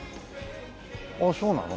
ああそうなの？